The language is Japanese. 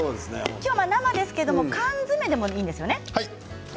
今日は生ですけれども缶詰でもいいんですよね。